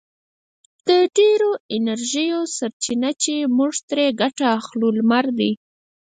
د ډېرو انرژیو سرچینه چې موږ ترې ګټه اخلو لمر دی.